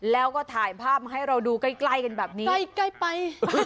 แล้วก็ถ่ายภาพให้เราดูใกล้ใกล้กันแบบนี้ใกล้ใกล้ไป